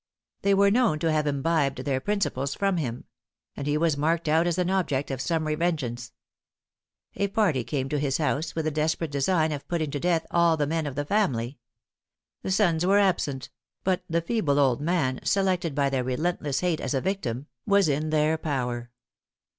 They were known to have imbibed their principles from him; and he was marked out as an object of summary vengeance. A party came to his house with the desperate design of putting to death all the men of the family. The sons were absent; but the feeble old man, selected by their relentless hate as a victim, was in their power.